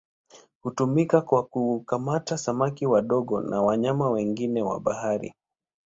Hutumika kwa kukamata samaki wadogo na wanyama wengine wa bahari.